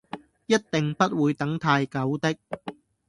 一定不會等太久的